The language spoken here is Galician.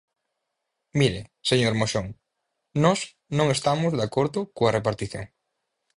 Mire, señor Moxón, nós non estamos de acordo coa repartición.